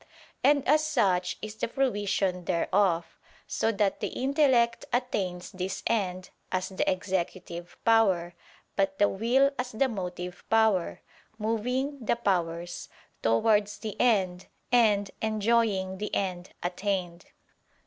And as such is the fruition thereof: so that the intellect attains this end, as the executive power, but the will as the motive power, moving (the powers) towards the end and enjoying the end attained.